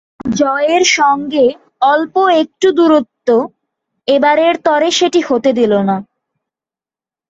জয়ের সঙ্গে অল্প একটু দূরত্ব এবারের তরে সেটি হতে দিল না।